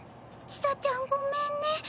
千紗ちゃんごめんね。